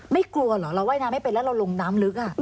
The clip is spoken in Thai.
ไม่กลัวเหรอเราว่ายน้ำไม่เป็นแล้วเราลงน้ำลึก